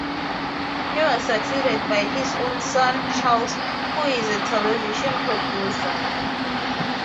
He was succeeded by his son Charles, who is a television producer.